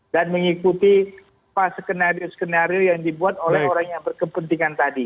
dan mengikuti apa skenario skenario yang dibuat oleh orang yang berkepentingan tadi